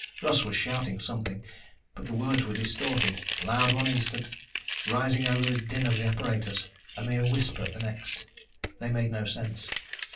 Russ was shouting something, but the words were distorted, loud one instant, rising over the din of the apparatus, a mere whisper the next. They made no sense.